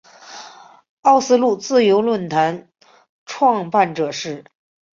奥斯陆自由论坛创办者是。